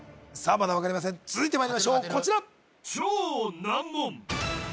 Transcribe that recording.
まだ分かりません続いてまいりましょうこちら